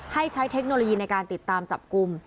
ให้ใช้เทคโนโลยีในการติดตามจับกลุ่ม